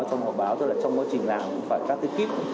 trong quá trình làm cũng phải các cái kíp